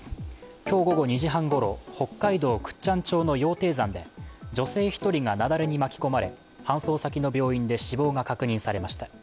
今日午後２時半ごろ、北海道倶知安町の羊蹄山で女性１人が雪崩に巻き込まれ搬送先の病院で死亡が確認されました。